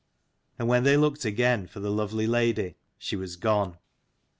And when they looked again for the lovely lady, she was gone.